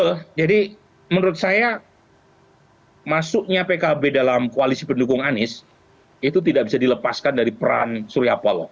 betul jadi menurut saya masuknya pkb dalam koalisi pendukung anies itu tidak bisa dilepaskan dari peran surya paloh